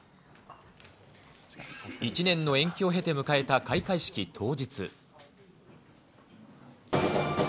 １年の延期を経て迎えた開会式当日。